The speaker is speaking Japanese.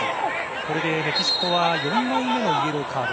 これでメキシコは４枚目のイエローカード。